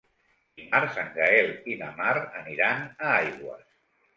Dimarts en Gaël i na Mar aniran a Aigües.